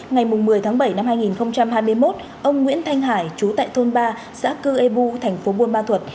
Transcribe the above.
ngày một mươi tháng bảy năm hai nghìn hai mươi một ông nguyễn thanh hải chú tại thôn ba xã cư ê bu thành phố buôn ma thuật